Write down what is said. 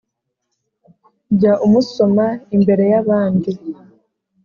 jya umusoma imbere y’abandi